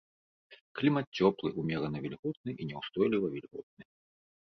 Клімат цёплы, умерана вільготны і няўстойліва вільготны.